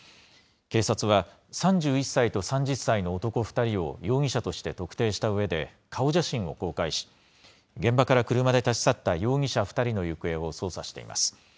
警察は、３１歳と３０歳の男２人を容疑者として特定したうえで、顔写真を公開し、現場から車で立ち去った容疑者２人の行方を捜査しています。